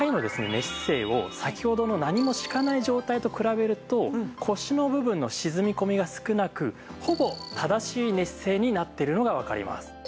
寝姿勢を先ほどの何も敷かない状態と比べると腰の部分の沈み込みが少なくほぼ正しい寝姿勢になっているのがわかります。